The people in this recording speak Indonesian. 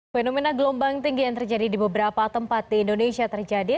fenomena gelombang tinggi yang terjadi di beberapa tempat di indonesia terjadi